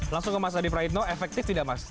langsung ke mas adi praitno efektif tidak mas